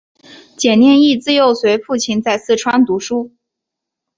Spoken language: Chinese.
蹇念益自幼随父亲在四川念书。